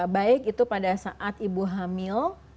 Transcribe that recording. baik itu pada saat ibu hamil